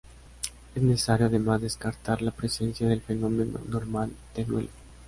Es necesario además descartar la presencia del fenómeno normal de duelo.